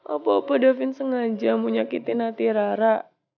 apa opa davin sengaja menyakitin hati rara